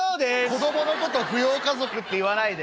「子供のこと扶養家族って言わないで！